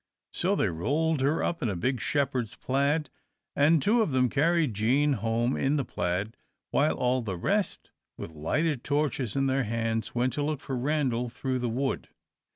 So they rolled her up in a big shepherd's plaid, and two of them carried Jean home in the plaid, while all the rest, with lighted torches in their hands, went to look for Randal through the wood.